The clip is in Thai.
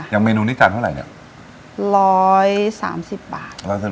ยังเมนูนี้จันทร์เท่าไหร่เนี่ย